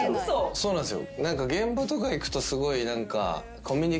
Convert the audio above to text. そうなんですよ。